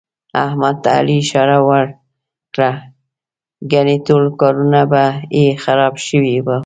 احمد ته علي اشاره ور کړله، ګني ټول کارونه به یې خراب شوي وو.